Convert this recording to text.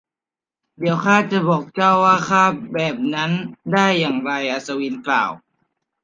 เดี๋ยวข้าจะบอกเจ้าว่าข้าแบบนั้นได้ยังไง อัศวินกล่าว